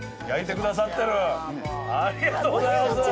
ありがとうございます！